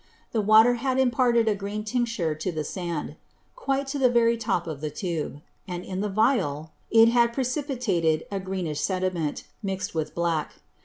The Water had imparted a green Tincture to the Sand, quite to the very top of the Tube. And, in the Vial, it had precipitated a greenish Sediment, mix'd with black.